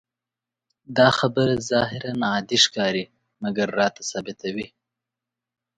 دا خبره ظاهراً عادي ښکاري، مګر راته ثابتوي.